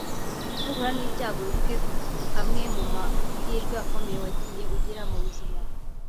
nuhura n’ibyago wibuke amwe mu mahirwe akomeye wagiye ugira mu buzima